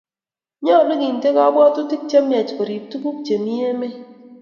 Nyolu kente ng'atutik che miach korib tuguk chemi emet.